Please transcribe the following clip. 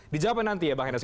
dijawabin nanti ya mbak hendra